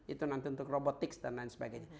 itu nanti untuk robotics dan lain sebagainya